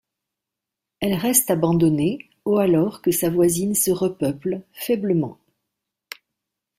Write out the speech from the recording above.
Elle reste abandonnée au alors que sa voisine se repeuple, faiblement.